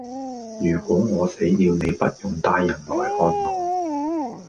如果我死了你不用帶人來看我